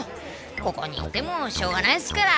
ここにいてもしょうがないですから。